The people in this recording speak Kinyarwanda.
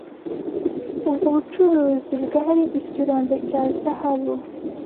Ubwo bucurazibwari ikirombe cya zahabu.